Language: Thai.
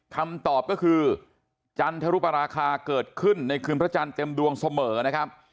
คำตอบก็คือจันทรุปราคาเกิดขึ้นในคืนพระจันทร์เต็มดวงเสมอนะครับ